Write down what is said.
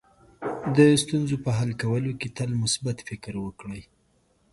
د ستونزو په حل کولو کې تل مثبت فکر وکړئ.